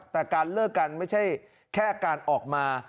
แต่การเลิกกันไม่ใช่แค่การออกมา